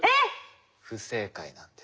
不正解なんです。